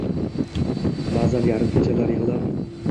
Ba’zan yarim kechalar yig’lab